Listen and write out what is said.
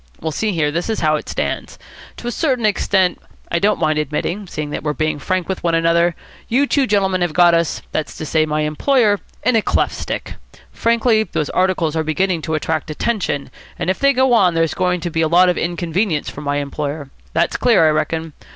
Well, see here. This is how it stands. To a certain extant, I don't mind admitting, seeing that we're being frank with one another, you two gentlemen have got us that's to say, my employer in a cleft stick. Frankly, those articles are beginning to attract attention, and if they go on there's going to be a lot of inconvenience for my employer. That's clear, I reckon.